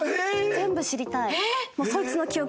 全部知りたい。